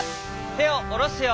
てをおろすよ。